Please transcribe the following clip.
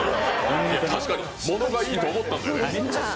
確かにものがいいと思ったんだよね。